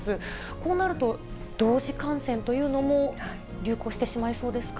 こうなると、同時感染というのも流行してしまいそうですか。